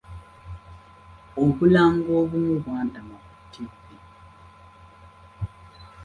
Obulango obumu bwantama ku ttivvi.